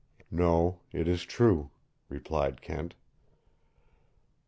"No, it is true," replied Kent.